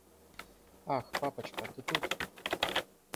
Ах, папочка, ты тут.